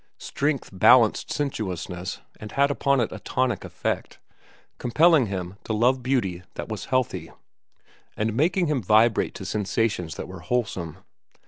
Strength balanced sensuousness and had upon it a tonic effect, compelling him to love beauty that was healthy and making him vibrate to sensations that were wholesome.